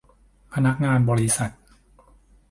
พนักงานบริษัท